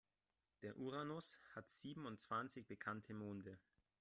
Der Uranus hat siebenundzwanzig bekannte Monde.